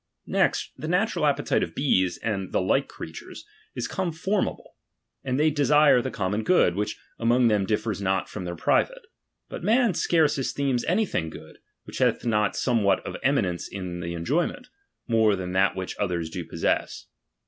Next, the natural appetite of bees, and the Uke creatures, is con DOMINION. 67 formable ; and they desire the commou good, which cuAr. among them differs not from their private. But^^ ^^^' man scarce esteems anything good, which hath not venimeniofi somewhat of eminence in the enjoyment, more stuijB arm, than that which others do possess.